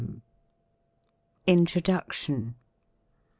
INTRODUCTION.